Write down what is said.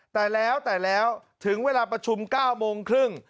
แต่แล้วถึงเวลาประชุม๙โมงครึ่ง